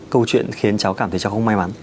câu chuyện khiến cháu cảm thấy cháu không may mắn